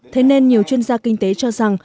thế nên nhiều chuyên gia kinh tế cho rằng